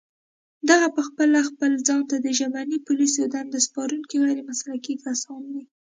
دغه پخپله خپل ځان ته د ژبني پوليسو دنده سپارونکي غير مسلکي کسان دي